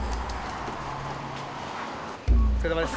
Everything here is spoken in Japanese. お疲れさまです